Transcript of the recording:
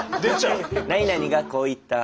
「何々がこう言った。